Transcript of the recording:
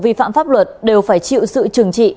vi phạm pháp luật đều phải chịu sự trừng trị